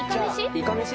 いかめし。